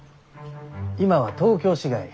今は東京市外